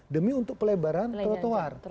demi untuk pelebaran trotoar